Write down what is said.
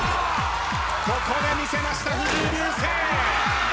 ここで魅せました藤井流星。